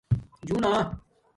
جُونݳ